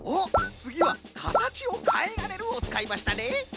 つぎは「かたちをかえらえる」をつかいましたね！